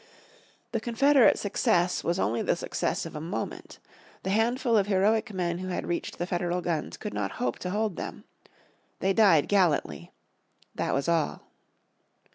The Confederate success was only the success of a moment. The handful of heroic men who had reached the Federal guns could not hope to hold them. They died gallantly. That was all.